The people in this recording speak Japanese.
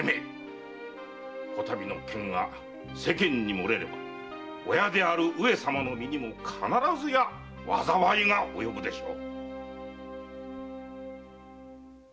こたびの件が世間にもれれば親である上様の身にも必ずや災いが及ぶでしょう。